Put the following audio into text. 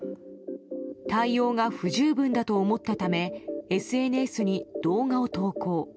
対応が不十分だと思ったためＳＮＳに動画を投稿。